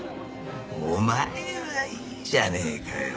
お前はいいじゃねえかよ。